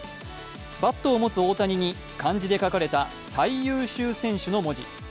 バットを持つ大谷に、漢字で書かれた「最優秀選手」の文字。